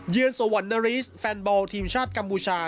เยอร์สวันนาริสแฟนบอลทีมชาติกัมมูชา